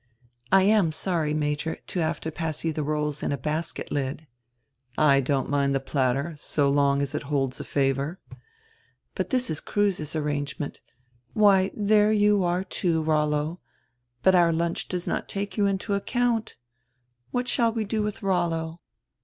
"I am sorry, Major, to have to pass you die rolls in a basket lid." "I don't mind die platter, so long as it holds a favor." "But diis is Kruse's arrangement — Why, diere you are too, Rollo. But our lunch does not take you into account. What shall we do widi Rollo?"